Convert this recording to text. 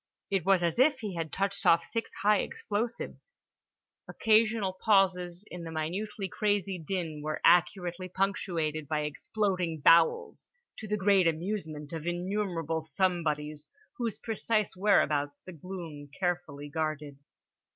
It was as if he had touched off six high explosives. Occasional pauses in the minutely crazy din were accurately punctuated by exploding bowels; to the great amusement of innumerable somebodies, whose precise whereabouts the gloom carefully guarded.